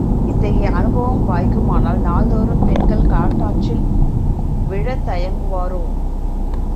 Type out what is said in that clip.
இத்தகைய அனுபவம், வாய்க்குமானால், நாள்தோறும் பெண்கள் காட்டாற்றில் விழத்தயங்குவாரோ!